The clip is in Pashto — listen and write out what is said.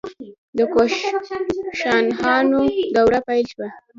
د کوشانشاهانو دوره پیل شوه